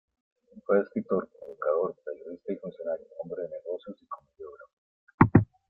Fue escritor, educador, periodista y funcionario, hombre de negocios y comediógrafo.